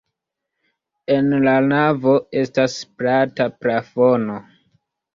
En la navo estas plata plafono.